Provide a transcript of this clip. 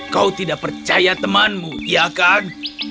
kau tidak percaya temanmu iya kan